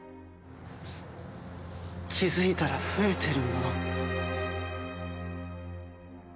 気づいたら増えてるもの。